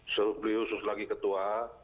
beliau lagi khusus ketua